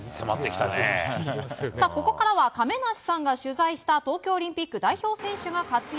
ここからは亀梨さんが取材した東京オリンピック代表選手が活躍。